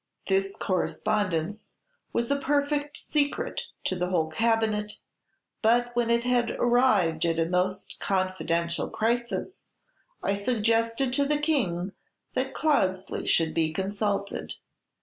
This correspondence was a perfect secret to the whole Cabinet; but when it had arrived at a most confidential crisis, I suggested to the King that Cloudeslie should be consulted.